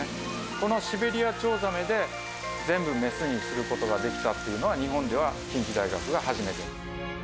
このシベリアチョウザメで、全部メスにすることができたっていうのは、日本では近畿大学が初めて。